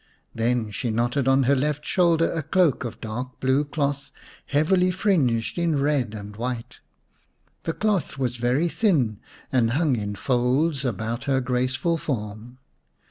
Then she knotted on her left shoulder a cloak of dark blue cloth heavily fringed in red and white. The cloth was very thin and hung in folds about her graceful form.